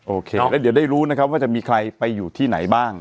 โอเคแล้วเดี๋ยวได้รู้นะครับว่าจะมีใครไปอยู่ที่ไหนบ้าง